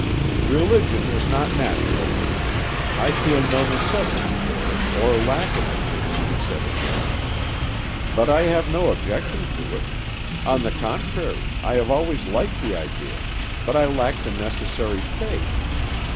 "Religion is not natural with me: I feel no necessity for it or lack of it," he said again. "But I have no objection to it; on the contrary, I have always liked the idea, but I lack the necessary faith.